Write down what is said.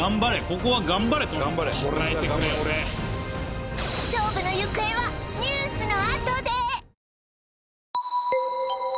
ここは頑張れトミー勝負の行方はニュースのあとで！